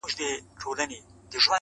زما په شان سي څوک آواز پورته کولای؛